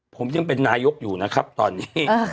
ผมยังเป็นนายกอยู่นะครับตอนนี้